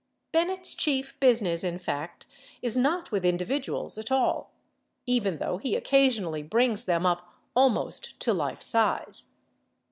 Bennett's chief business, in fact, is not with individuals at all, even though he occasionally brings them up almost to life size.